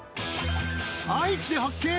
愛知で発見！